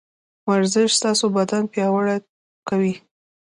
ورزش ستاسو بدن پياوړی کوي.